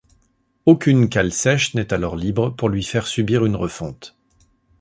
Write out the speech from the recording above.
Aucune cale sèche n'est alors libre pour lui faire subir une refonte.